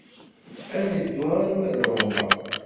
Ad neddu arma d Roma.